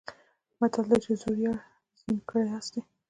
متل دی چې زوړ یار زین کړی آس دی.